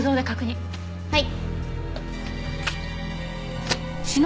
はい。